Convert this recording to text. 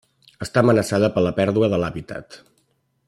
Està amenaçada per la pèrdua de l'hàbitat.